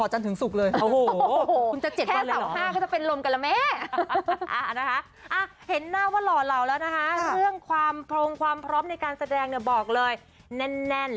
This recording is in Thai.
หล่อจริงคุณค่ะ